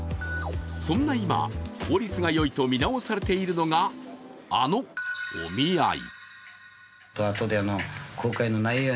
そんな今、効率がよいと見直されているのが、あのお見合い。